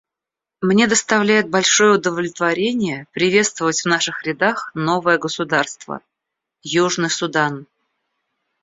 Мне доставляет большое удовлетворение приветствовать в наших рядах новое государство — Южный Судан.